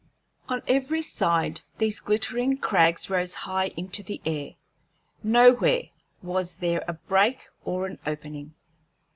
On every side these glittering crags rose high into the air; nowhere was there a break or an opening.